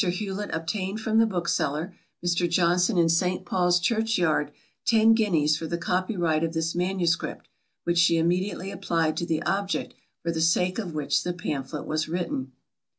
Hewlet obtained from the bookseller, Mr. Johnson in St. Paul's Church Yard, ten guineas for the copy right of this manuscript, which she immediately applied to the object for the sake of which the pamphlet was written.